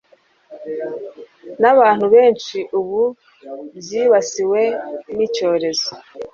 nabantu benshi ubu byibasiwe nicyorezo